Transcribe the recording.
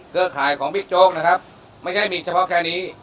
เครือข่ายของพี่โจ๊กนะครับไม่ใช่มีเฉพาะแค่นี้